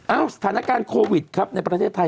สถานการณ์โควิดครับในประเทศไทย